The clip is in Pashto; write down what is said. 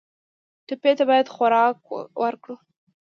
ټپي ته باید خوراک ورکړو.